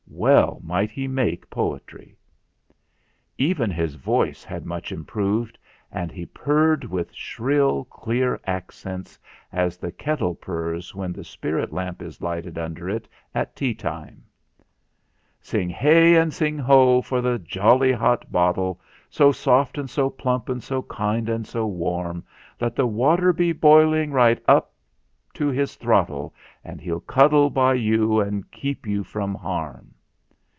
Well might he make poetry! Even his voice had much improved, and he purred with shrill clear accents, as the kettle purrs when the spirit lamp is lighted under it at tea time: ZAGABOG'S MESSAGE 323 "Sing hey ! and sing ho ! for the jolly hot bottle So soft and so plump and so kind and so warm ; Let the water be boiling right up to his throttle And he'll cuddle by you and keep you from harm.